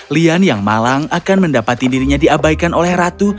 lian yang malang akan mendapati dirinya diabaikan oleh ratu